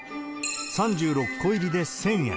３６個入りで１０００円。